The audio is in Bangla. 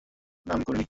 না, আমি করিনি।